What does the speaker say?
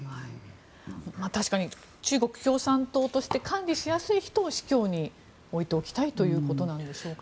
確かに中国共産党として管理しやすい人を司教に置いておきたいということなんでしょうか。